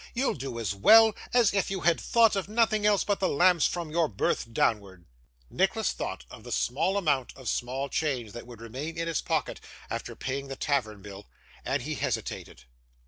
'You'll do as well as if you had thought of nothing else but the lamps, from your birth downwards.' Nicholas thought of the small amount of small change that would remain in his pocket after paying the tavern bill; and he hesitated.